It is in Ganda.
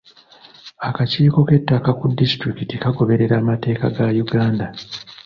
Akakiiko k'ettaka ku disitulikiti kagoberera amateeka ga Uganda.